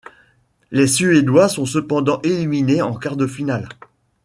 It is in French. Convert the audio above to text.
Les Suédois sont cependant éliminés en quarts de finale.